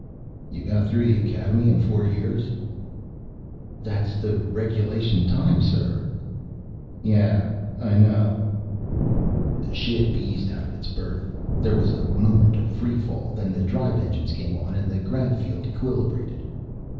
"You got through the Academy in four years?" "That's the regulation time, sir." "Yes, I know." The ship eased out of its berth. There was a moment of free fall, then the drive engine came on and the grav field equilibrated.